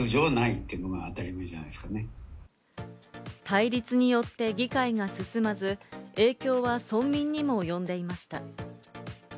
対立によって議会が進まず、影響は村民にも及んでいました。